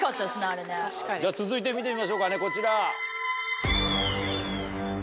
続いて見てみましょうかねこちら。